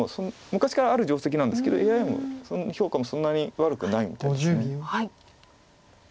昔からある定石なんですけどＡＩも評価もそんなに悪くないみたいです。